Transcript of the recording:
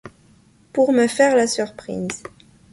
Pour me faire la surprise.